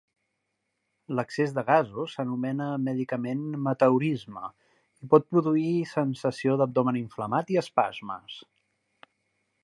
L'excés de gasos s'anomena mèdicament meteorisme i pot produir sensació d'abdomen inflamat i espasmes.